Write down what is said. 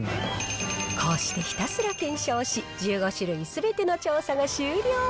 こうしてひたすら検証し、１５種類すべての調査が終了。